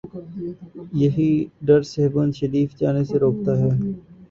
یہی ڈر سیہون شریف جانے سے روکتا ہے۔